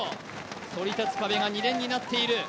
そり立つ壁が２連になっている。